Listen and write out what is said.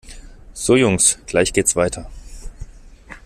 So Jungs, gleich geht's weiter!